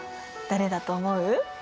誰だと思う？